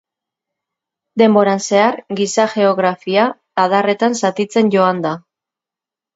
Denboran zehar, giza geografia adarretan zatitzen joan da.